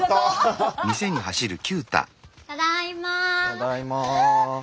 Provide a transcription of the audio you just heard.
ただいま。